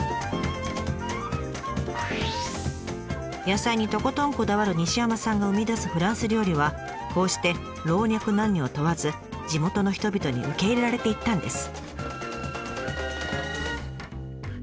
野菜にとことんこだわる西山さんの生み出すフランス料理はこうして老若男女を問わず地元の人々に受け入れられていったんです。